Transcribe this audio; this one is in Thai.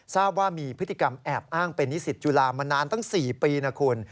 ทราบว่ามีพฤติกรรมแอบอ้างเป็นนิสิตจุฬามานานตั้ง๔ปีนะคุณ